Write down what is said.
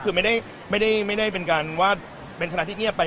คือไม่ได้เพียงคำว่าเป็นธนาธิเงียบไป